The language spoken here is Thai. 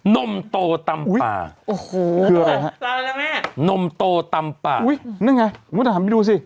นมโตตำปลานมโตตำปลาโอ้โหนั่นไงมันก็จะทำให้ดูสิ